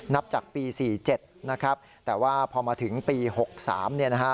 นับจากปี๔๗นะครับแต่ว่าพอมาถึงปี๖๓เนี่ยนะฮะ